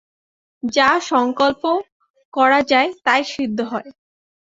যা সঙ্কল্প করা যায়, তাই সিদ্ধ হয়।